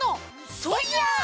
そいや！